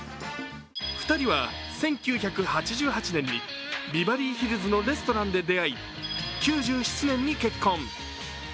２人は、１９８８年にビバリーヒルズのレストランで出会い９７年に結婚。